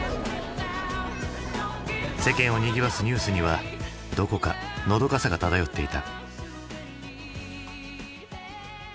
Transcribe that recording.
世間をにぎわすニュースにはどこかのどかさが漂っていた。